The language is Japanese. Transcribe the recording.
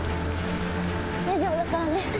大丈夫だからね。